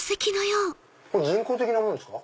これ人工的なものですか？